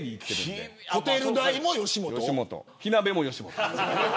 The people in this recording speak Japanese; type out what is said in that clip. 火鍋も吉本。